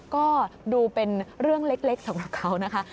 ก็ดูเป็นเรื่องเล็กสำหรับเขานะคะ